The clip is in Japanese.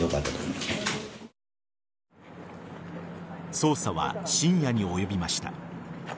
捜査は、深夜に及びました。